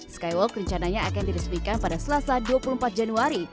skywalk rencananya akan diresmikan pada selasa dua puluh empat januari